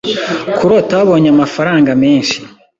Kurota wabonye amafaranga menshi.